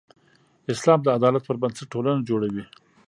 اسلام د عدالت پر بنسټ ټولنه جوړوي.